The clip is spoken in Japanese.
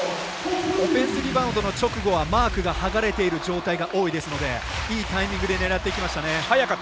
オフェンスリバウンドの直後はマークがはがれている状況が多いですので、いいタイミングで狙っていきましたね。